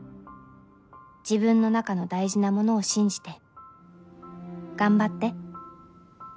自分の中の大事なものを信じて頑張って。